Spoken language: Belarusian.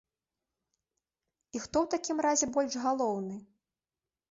І хто ў такім разе больш галоўны?